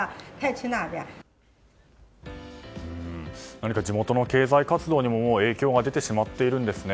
何か地元の経済活動にも影響が出ているんですね。